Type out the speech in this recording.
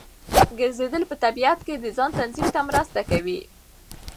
ګرځېدل په طبیعت کې د ځان تنظیم ته مرسته کوي.